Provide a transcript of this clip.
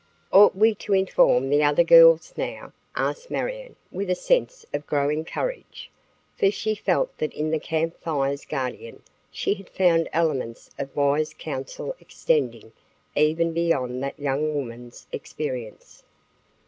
"Ought we to inform the other girls now?" asked Marion with a sense of growing courage, for she felt that in the Camp Fire's Guardian she had found elements of wise counsel extending even beyond that young woman's experience.